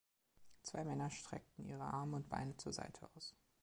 Zwei Männer streckten ihre Arme und Beine zur Seite aus.